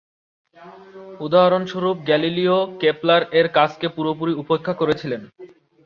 উদাহরণস্বরূপ, গ্যালিলিও কেপলার-এর কাজকে পুরোপুরি উপেক্ষা করেছিলেন।